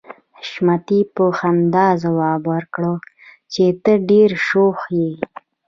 حشمتي په خندا ځواب ورکړ چې ته ډېره شوخه يې